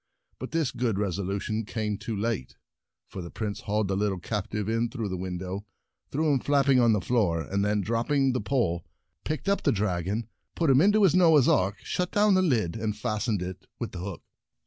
But this good resolution came too late. For the Prince hauled the little captive in through the Too Late ! and the Dragons 25 window, threw him flapping on the floor, and then, dropping the pole, picked up the dragon, put him into his Noah's Ark, shut down the lid, and fastened it with the hook.